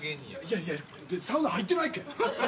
いやいやサウナ入ってないけん。